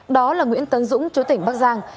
đó là nguyễn tấn dũng chối tỉnh bắc giang